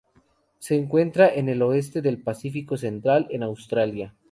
Se encuentran en el oeste del Pacífico central, en Australia.